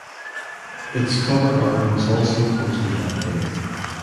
Its cover art was also posted that day.